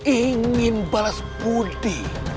ingin balas budi